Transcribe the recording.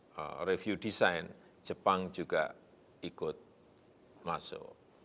dan review desain jepang juga ikut masuk